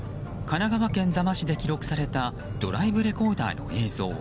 神奈川県座間市で記録されたドライブレコーダーの映像。